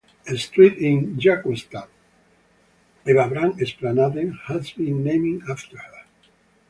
A street in Jakobstad, Ebba Brahe Esplanaden, has been named after her.